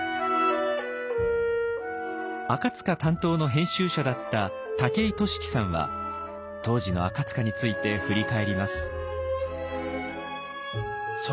赤担当の編集者だった武居俊樹さんは当時の赤について振り返ります。